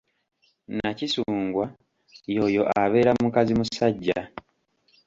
Nakisungwa y'oyo abeera mukazimusajja.